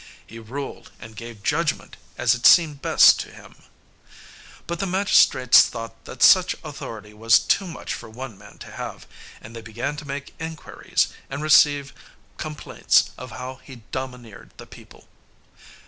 He ruled and gave judgment as it seemed best to him. But the magistrates thought that such authority was too much for one man to have, and they began to make inquiries, and receive complaints of how he domineered the people.